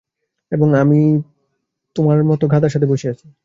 এবং এখন আমি তোমার মত গাধার সাথে বসে আছি।